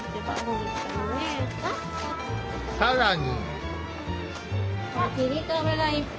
更に。